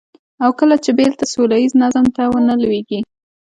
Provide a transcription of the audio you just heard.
او کله چې بېرته سوله ييز نظم ته ونه لوېږي.